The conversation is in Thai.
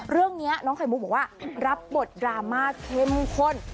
เรื่องนี้น้องไข่มุกบอกว่ารับบทดราม่าเข้มข้น